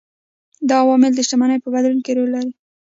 دا عوامل د شتمنۍ په بدلون کې رول لري.